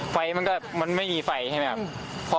ไฟมันก็มันไม่มีไฟใช่ไหมครับ